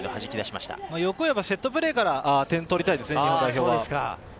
セットプレーから点を取りたいですよね、日本代表は。